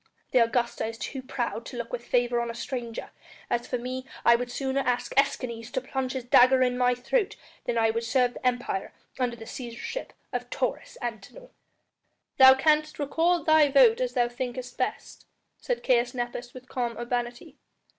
The Augusta is too proud to look with favour on a stranger; as for me, I would sooner ask Escanes to plunge his dagger in my throat than I would serve the Empire under the Cæsarship of Taurus Antinor." "Thou canst record thy vote as thou thinkest best," said Caius Nepos with calm urbanity.